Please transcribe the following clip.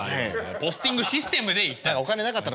ポスティングシステムで行ったの。